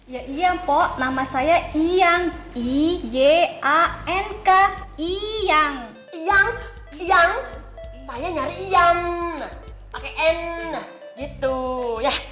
ya iya nama saya iyang iyank iyang yang yang saya nyari yang pakai enak gitu ya